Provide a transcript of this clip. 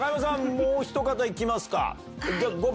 もうひと方行きますか。